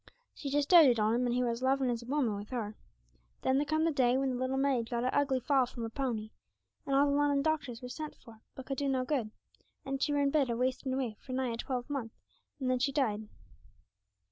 She just doated on him, and he were as lovin' as a woman wi' her. Then there come the day when the little maid got a ugly fall from her pony, and all the Lunnon doctors were sent for, but could do no good, and she were in bed a wasting away for nigh a twelve month, and then she died.